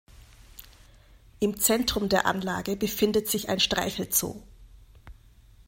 Im Zentrum der Anlage befindet sich ein Streichelzoo.